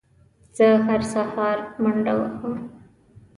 زه هره سهار منډه وهم